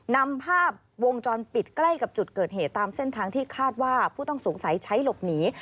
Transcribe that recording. นำภาพวงจรปิดใกล้กับจุดเกิดเหตุตามเส้นทางที่คาดว่าผู้ต้องสงสัยใช้หลบหนี